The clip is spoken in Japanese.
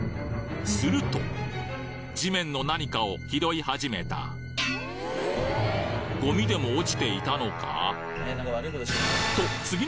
すると地面の何かを拾い始めたゴミでも落ちていたのか？